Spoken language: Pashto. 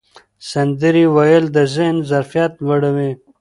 سندرې ویل د ذهن ظرفیت لوړوي.